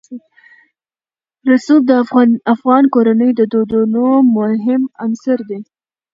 رسوب د افغان کورنیو د دودونو مهم عنصر دی.